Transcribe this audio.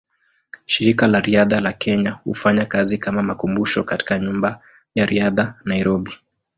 Shirika la Riadha la Kenya hufanya kazi kama makumbusho katika Nyumba ya Riadha, Nairobi.